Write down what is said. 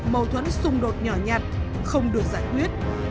mâu thuẫn xung đột nhỏ nhặt không được giải quyết